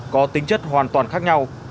có tính chất hoàn toàn khác nhau